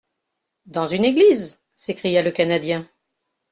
—Dans une église ! s'écria le Canadien.